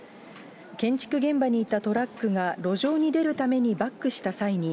建築現場にいたトラックが路上に出るためにバックした際に、